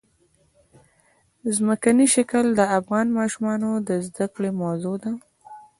ځمکنی شکل د افغان ماشومانو د زده کړې موضوع ده.